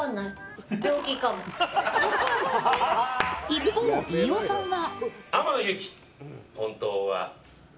一方、飯尾さんは。